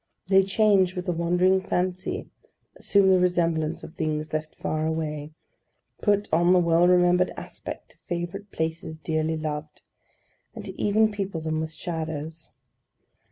They change with the wandering fancy; assume the semblance of things left far away; put on the well remembered aspect of favourite places dearly loved; and even people them with shadows.